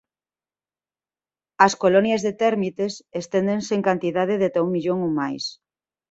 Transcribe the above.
As colonias de térmites esténdense en cantidade de ata un millón ou máis.